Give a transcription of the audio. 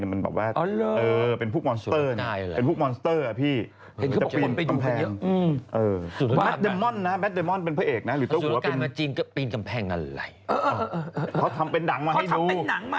มีมังกรตรงนั้น